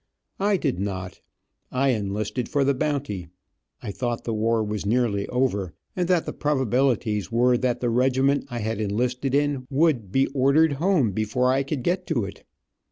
I did not. I enlisted for the bounty. I thought the war was nearly over, and that the probabilities were that the regiment I had enlisted in would, be ordered home before I could get to it.